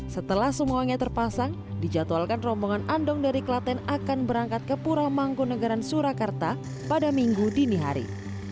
setelah semuanya terpasang dijadwalkan rombongan andong dari klaten akan berangkat ke pura mangkunagaran surakarta pada minggu dini hari